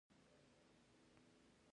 په افغانستان کې طبیعي زیرمې ډېر اهمیت لري.